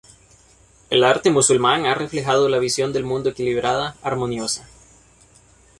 El arte musulmán ha reflejado la visión del mundo equilibrada, armoniosa.